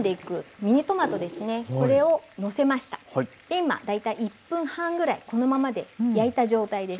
今大体１分半ぐらいこのままで焼いた状態です。